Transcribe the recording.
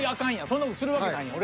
そんな事するわけないやん